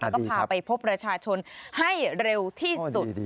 แล้วก็พาไปพบประชาชนให้เร็วที่สุด